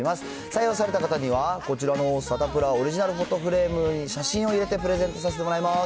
採用された方には、こちらのサタプラオリジナルフォトフレームに写真を入れてプレゼントさせてもらいます。